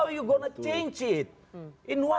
bagaimana anda akan mengubahnya